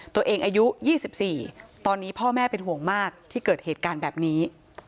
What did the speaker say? ตัวเองอายุยี่สิบสี่ตอนนี้พ่อแม่เป็นห่วงมากที่เกิดเหตุการณ์แบบนี้